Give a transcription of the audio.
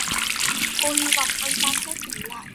Cô hi vọng anh ta sẽ tỉnh lại